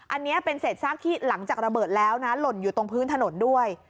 อันนี้เป็นเศษซากที่หลังจากระเบิดแล้วนะหล่นอยู่ตรงพื้นถนนด้วย